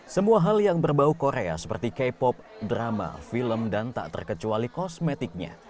semua hal yang berbau korea seperti k pop drama film dan tak terkecuali kosmetiknya